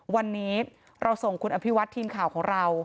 วันนี้เราส่งคุณอภิวัตทีมข่าวของเรา